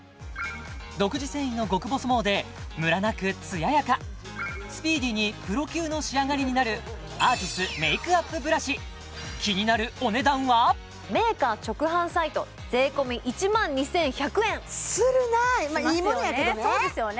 独自繊維の極細毛でムラなく艶やかスピーディーにプロ級の仕上がりになるアーティスメイクアップブラシメーカー直販サイト税込１万２１００円するないいものやけどねしますよね